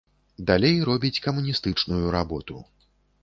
Далей робіць камуністычную работу.